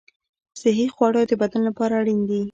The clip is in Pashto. صحي خواړه د بدن لپاره اړین دي.